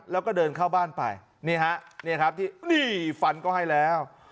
แล้วก็เดินเข้าบ้านไปนี่ฮะนี่ครับที่นี่ฟันก็ให้แล้ว